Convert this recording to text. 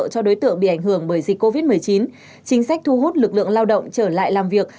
cho đối tượng bị ảnh hưởng bởi dịch covid một mươi chín chính sách thu hút lực lượng lao động trở lại làm việc